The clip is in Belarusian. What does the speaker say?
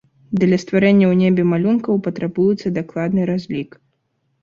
Для стварэння ў небе малюнкаў патрабуецца дакладны разлік.